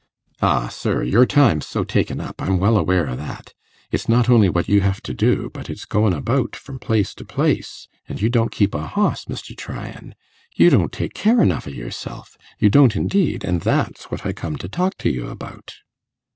'Ah, sir! your time's so taken up, I'm well aware o' that; it's not only what you hev to do, but it's goin' about from place to place; an' you don't keep a hoss, Mr. Tryan. You don't take care enough o' yourself you don't indeed, an' that's what I come to talk to y' about.